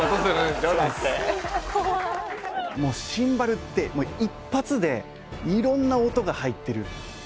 シンバルって一発で色んな音が入ってる。